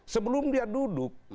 sebelum dia duduk